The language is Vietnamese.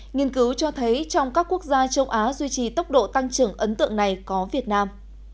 nghiên cứu cho thấy trong các quốc gia châu á duy trì tốc độ tăng trưởng ấn tượng này có việt nam